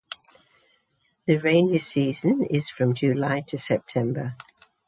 The rainy season is from July to September.